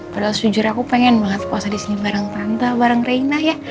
padahal jujur aku pengen banget puasa di sini bareng tante bareng raina ya